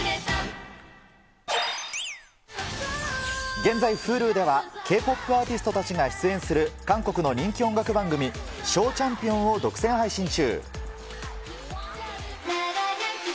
現在Ｈｕｌｕでは、Ｋ−ＰＯＰアーティストたちが出演する韓国の人気音楽番組、ＳＨＯＷＣＨＡＭＰＩＯＮを独占配信中。